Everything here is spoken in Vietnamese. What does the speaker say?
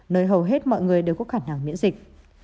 nơi hầu hết mọi người đều có khả năng miễn dịch